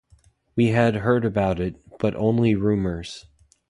We had heard about it, but only rumours.